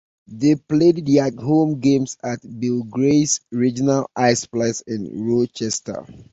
They played their home games at Bill Gray's Regional Iceplex in Rochester.